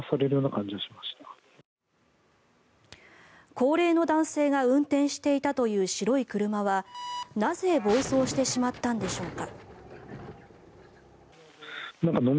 高齢の男性が運転していたという白い車はなぜ暴走してしまったんでしょうか。